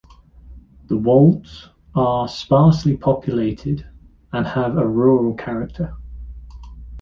The Wolds are sparsely populated and have a rural character.